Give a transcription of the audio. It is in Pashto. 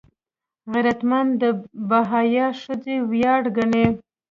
غیرتمند د باحیا ښځې ویاړ ګڼي